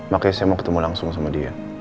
makanya saya mau ketemu langsung sama dia